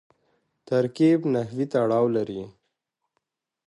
ترکیب نحوي تړاو لري.